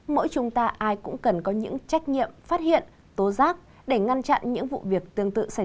mỗi chúng ta ai cũng cần có những trách nhiệm phát hiện tố giác để ngăn chặn những vụ việc tương tự xảy ra